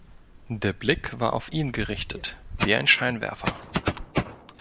Der Blick war auf ihn gerichtet wie ein Scheinwerfer.